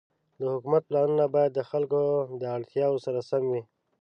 د حکومت پلانونه باید د خلکو د اړتیاوو سره سم وي.